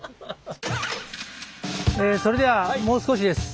それではもう少しです。